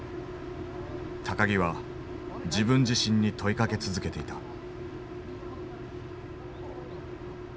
木は自分自身に問いかけ続けていた。